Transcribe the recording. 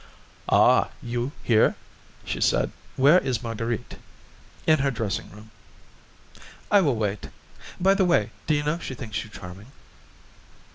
"Ah, you here?"' she said, "where is Marguerite?" "In her dressing room." "I will wait. By the way, do you know she thinks you charming?"